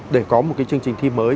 để có một cái chương trình thi mới